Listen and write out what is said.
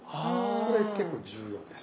これ結構重要です。